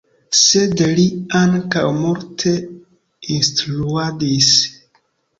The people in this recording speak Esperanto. Sed li ankaŭ multe instruadis.